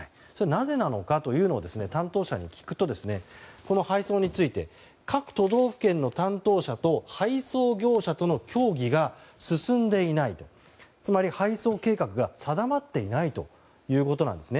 なぜなのかというのを担当者に聞くと配送について各都道府県の担当者と配送業者との協議が進んでいないと。つまり配送計画が定まっていないということなんです。